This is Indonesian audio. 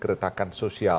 teriak teriak keretakan sosial